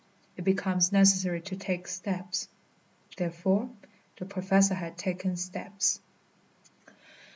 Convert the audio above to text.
It becomes necessary to take steps. Therefore, the Professor had taken steps.